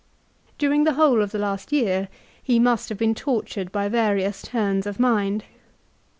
During the whole of the last year he must have been tortured by various turns of mind.